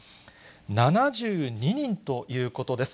７２人ということです。